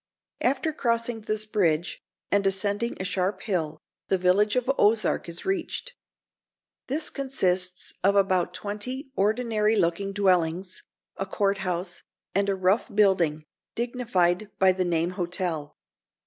After crossing this bridge, and ascending a sharp hill, the village of Ozark is reached. This consists of about twenty ordinary looking dwellings, a court house, and a rough building, dignified by the name hotel.